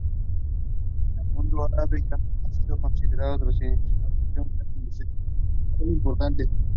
En el mundo árabe, Yemen ha sido considerado tradicionalmente un centro musical importante.